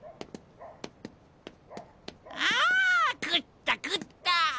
あ食った食った。